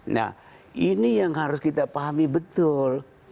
nah ini yang harus kita pahami betul